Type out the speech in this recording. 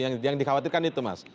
yang dikhawatirkan itu mas